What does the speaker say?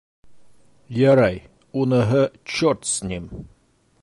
Ярай, уныһы чорт с ним.